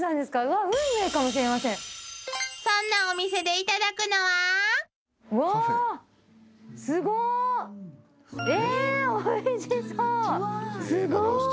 すごい！